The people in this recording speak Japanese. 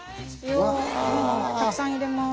たくさん入れます。